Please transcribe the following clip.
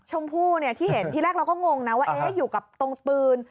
ชมพู่ที่เห็นที่แรกเราก็งงนะว่าอยู่กับตรงปืน